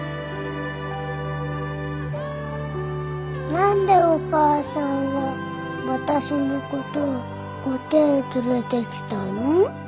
何でお母さんは私のことをこけえ連れてきたん？